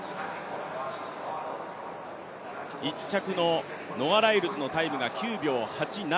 １着のノア・ライルズのタイムが９秒８７。